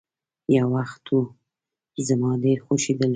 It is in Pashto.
يو وخت وو، زما ډېر خوښيدلو.